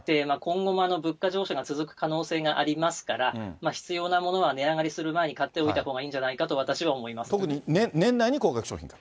今後も、物価上昇が続く可能性がありますから、必要なものは値上がりする前に買っておいたほうがいいんじゃないかと私は思いますね。